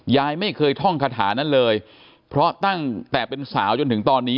ยายไม่เคยท่องคาถานั้นเลยเพราะตั้งแต่เป็นสาวจนถึงตอนนี้